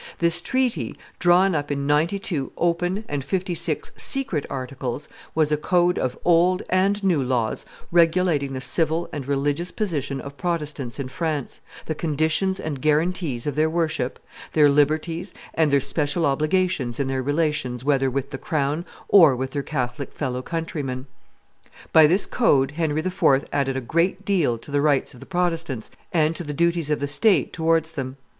This treaty, drawn up in ninety two open and fifty six secret articles, was a code of old and new laws regulating the civil and religious position of Protestants in France, the conditions and guarantees of their worship, their liberties, and their special obligations in their relations whether with the crown or with their Catholic fellow countrymen. By this code Henry IV. added a great deal to the rights of the Protestants and to the duties of the state towards them.